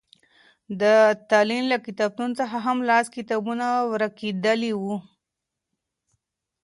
د تالين له کتابتون څخه هم لس کتابونه ورکېدلي وو.